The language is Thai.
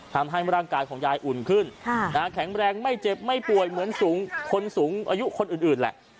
ทำให้ร่างกายของยายอุ่นขึ้นแข็งแรงไม่เจ็บไม่ป่วยเหมือนคนสูงอายุคนอื่นแหละ